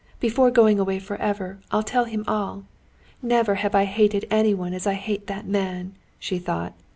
Before going away forever, I'll tell him all. Never have I hated anyone as I hate that man!" she thought.